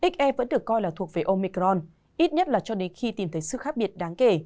xe vẫn được coi là thuộc về omicron ít nhất là cho đến khi tìm thấy sự khác biệt đáng kể